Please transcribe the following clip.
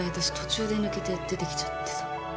私途中で抜けて出てきちゃってさ。